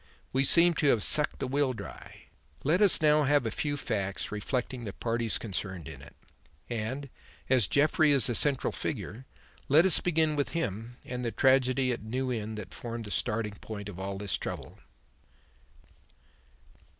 We seem to have sucked the will dry. Let us now have a few facts respecting the parties concerned in it; and, as Jeffrey is the central figure, let us begin with him and the tragedy at New Inn that formed the starting point of all this trouble."